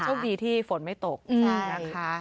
โชคดีที่ฝนไม่ตกนะคะ